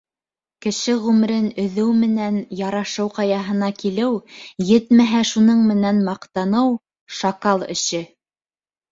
Кеше ғүмерен өҙөү менән Ярашыу Ҡаяһына килеү, етмәһә, шуның менән маҡтаныу — шакал эше.